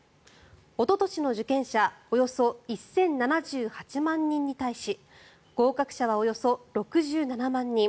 おととしの受験者およそ１０７８万人に対し合格者はおよそ６７万人。